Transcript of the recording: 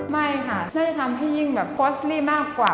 ไม่ค่ะน่าจะทำให้ยิ่งแบบเร็วขึ้นมากกว่า